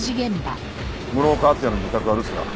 室岡厚也の自宅は留守だ。